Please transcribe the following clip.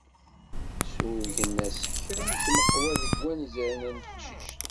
Surgen-as kra n tmeqwa deg wanzaren n teqcict.